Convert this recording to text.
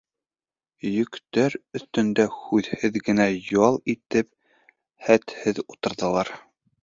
«Йөк»тәр өҫтөндә һүҙһеҙ генә ял итеп хәтһеҙ ултырҙылар.